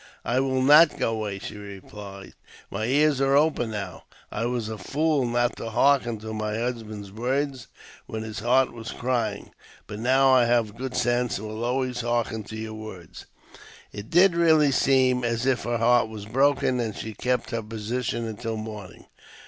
"I will not go away," she replied ;" my ears are open now. I was a fool not to hearken to my husband's words when his heart was crying, but now I have good sense, and will always hearken to your words." It did really seem as if her heart was broken, and she kept her position until morning.